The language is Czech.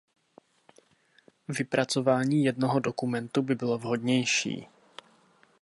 Vypracování jednoho dokumentu by bylo vhodnější.